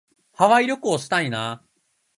ハワイ旅行したいな。